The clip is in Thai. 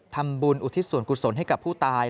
ทำบุญอุทิศสวรรคุณสนให้กับผู้ตาย